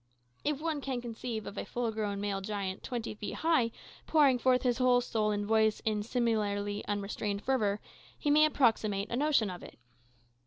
If one can conceive of a full grown male giant twenty feet high pouring forth his whole soul and voice with similarly unrestrained fervour, he may approximate to a notion of it.